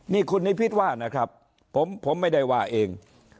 นี่คุณนิพิษว่านะครับผมไม่ได้ว่าเอง